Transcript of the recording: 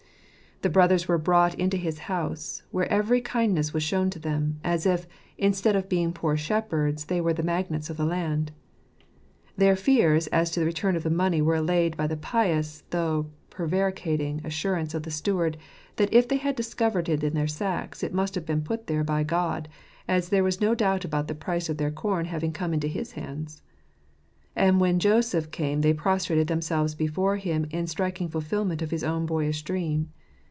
The brothers were brought into bis house, where every kindness was shown to them ; as if, instead of being poor shepherds, they were the magnates of the land. Their fears as to the return of the money were allayed by the pious, though prevaricating, assurance of the steward that if they had discovered it in their sacks it must have been put there by God, as there was no doubt about the price of their corn having come into his hands. And when Joseph came they prostrated themselves before him in striking fulfilment o his own boyish dream.